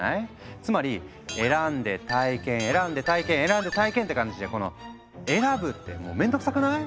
つまり「選んで体験」「選んで体験」「選んで体験」って感じでこの選ぶって面倒くさくない？